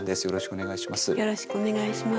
よろしくお願いします。